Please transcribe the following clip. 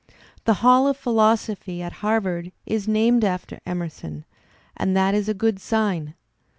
The hall of philosophy at Harvard is named after Emerson, and that is a good sign.